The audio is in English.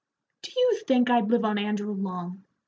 "Do you think I'd live on Andrew long?"